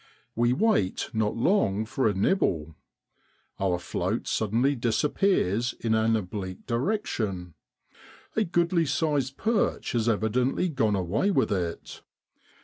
We wait not long for a nibble. Our float suddenly disappears in an oblique direction. A goodly sized perch has evidently gone away with it.